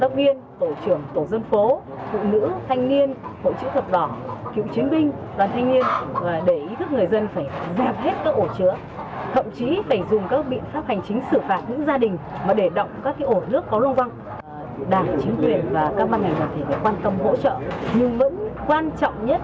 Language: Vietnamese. quan trọng nhất